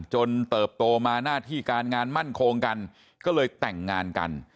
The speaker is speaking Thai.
เติบโตมาหน้าที่การงานมั่นคงกันก็เลยแต่งงานกัน